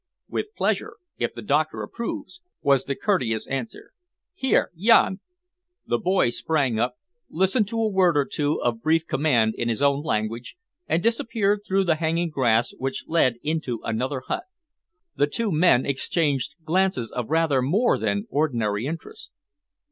"With pleasure, if the doctor approves," was the courteous answer. "Here, Jan!" The boy sprang up, listened to a word or two of brief command in his own language, and disappeared through the hanging grass which led into another hut. The two men exchanged glances of rather more than ordinary interest.